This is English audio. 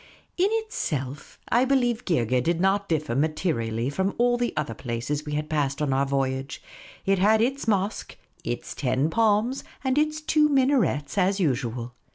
In itself, I believe, Geergeh did not differ materi ally from all the other places we had passed on our voyage ; it had its mosque, its ten palms, and its two minarets, as usual.